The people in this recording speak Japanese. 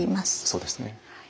そうですね。